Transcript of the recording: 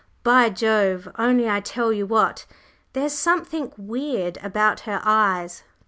By Jove! Only, I tell you what there's something weird about her eyes.